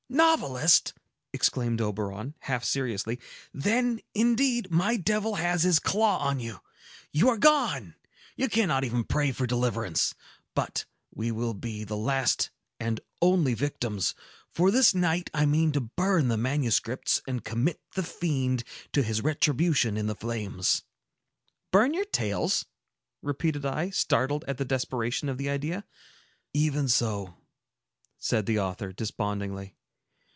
"Novelist!" exclaimed Oberon, half seriously. "Then, indeed, my devil has his claw on you! You are gone! You cannot even pray for deliverance! But we will be the last and only victims; for this night I mean to burn the manuscripts, and commit the fiend to his retribution in the flames." "Burn your tales!" repeated I, startled at the desperation of the idea. "Even so," said the author, despondingly.